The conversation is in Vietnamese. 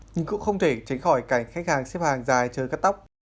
nhưng cũng không thể tránh khỏi cảnh khách hàng xếp hàng dài chờ cắt tóc